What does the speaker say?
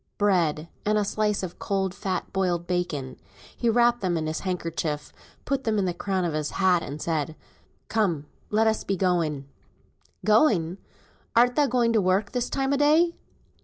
Bread, and a slice of cold fat boiled bacon. He wrapped them in his handkerchief, put them in the crown of his hat, and said "Come, let's be going." "Going art thou going to work this time o' day?"